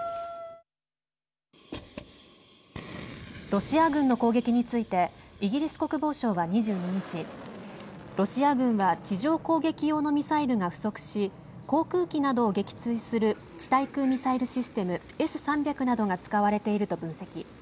ロシア軍の攻撃についてイギリス国防省は２２日ロシア軍は地上攻撃用のミサイルが不足し航空機などを撃墜する地対空ミサイルシステムＳ３００などが使われていると分析。